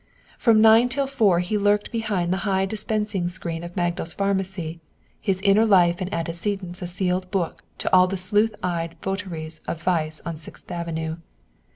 From nine till four he lurked behind the high dispensing screen of Magdal's Pharmacy, his inner life and antecedents a sealed book to all the sleuth eyed votaries of vice on Sixth Avenue.